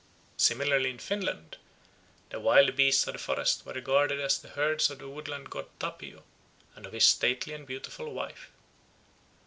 Similarly in Finland the wild beasts of the forest were regarded as the herds of the woodland god Tapio and of his stately and beautiful wife.